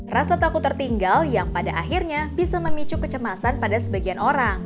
rasa takut tertinggal yang pada akhirnya bisa memicu kecemasan pada sebagian orang